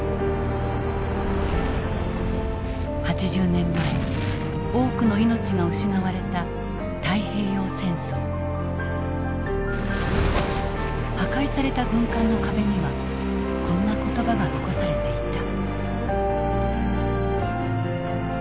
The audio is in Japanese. ８０年前多くの命が失われた破壊された軍艦の壁にはこんな言葉が残されていた。